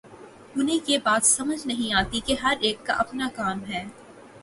انہیں یہ بات سمجھ نہیں آتی کہ ہر ایک کا اپنا کام ہے۔